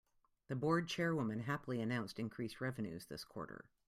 The board chairwoman happily announced increased revenues this quarter.